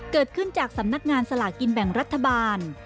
เกิดขึ้นจากสำนักงานสลากกินแบ่งรัฐบาล